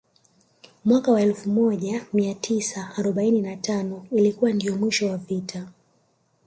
Mwaka wa elfu moj mia tisa arobaini na tano ilikuwa ndio mwisho wa vita